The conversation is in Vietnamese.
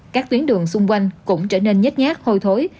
các tuyến đường xung quanh cũng trở nên nhát nhát hôi thối